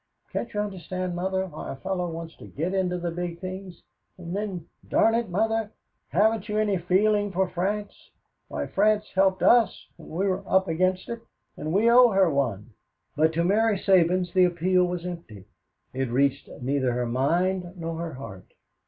Can't you understand, Mother, why a fellow wants to get into the big things? And then, darn it, Mother, haven't you any feeling for France? Why, France helped us when we were up against it, and we owe her one." But to Mary Sabins the appeal was empty. It reached neither her mind nor her heart.